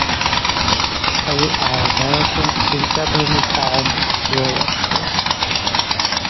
Ауи агӏарбараква сентябр мыз агӏан йрылапшуаштӏ.